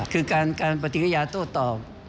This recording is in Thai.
คือการปฏิกิริยาโต้ตอบ